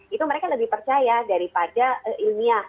itu mereka lebih percaya daripada ilmiah